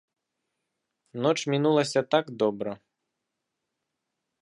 Ноч мінулася так добра.